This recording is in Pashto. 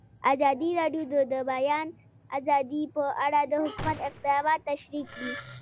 ازادي راډیو د د بیان آزادي په اړه د حکومت اقدامات تشریح کړي.